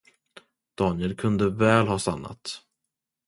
Daniel kunde väl ha stannat.